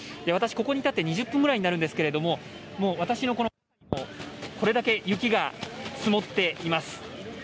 私、ここに立って２０分ぐらいになるんですけれどもこれだけ雪が積もっています。